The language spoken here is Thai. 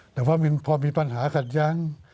แต่พอมีปัญหาขัดย้าง